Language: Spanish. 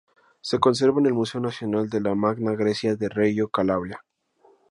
Se conserva en el Museo Nacional de la Magna Grecia de Reggio Calabria.